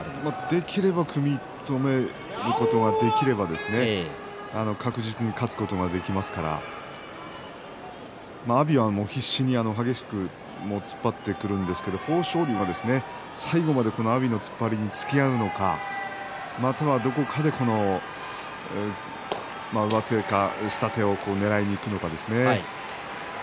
できれば組み止めることができれば確実に勝つことができますから阿炎は必死に激しく突っ張ってくるんですけど豊昇龍は最後まで阿炎の突っ張りにつきあうのかまたはどこかで上手か下手をねらいにいくのかですね。